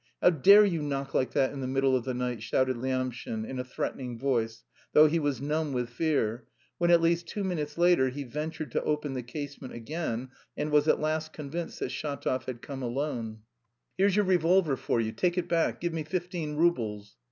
"How dare you knock like that in the middle of the night?" shouted Lyamshin, in a threatening voice, though he was numb with fear, when at least two minutes later he ventured to open the casement again, and was at last convinced that Shatov had come alone. "Here's your revolver for you; take it back, give me fifteen roubles."